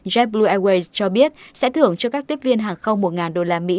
jabboo airways cho biết sẽ thưởng cho các tiếp viên hàng không một usd